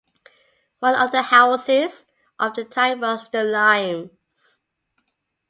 One of the houses of the time was "The Limes".